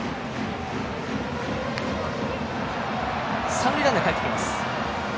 三塁ランナーかえってきます。